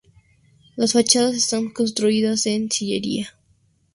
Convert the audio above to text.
Las fachadas están construidas en sillería.